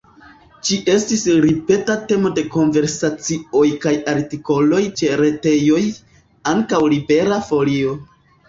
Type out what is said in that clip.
Ĝi estis ripeta temo de konversacioj kaj artikoloj ĉe retejoj, ankaŭ Libera Folio.